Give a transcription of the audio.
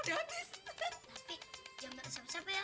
tapi jangan bilang siapa siapa ya